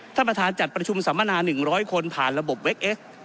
ท่านประธานจัดประชุมสัมมนา๑๐๐คนผ่านระบบเว็กเอ็กซ์